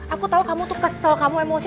aku tahu kamu tuh kesel kamu emosi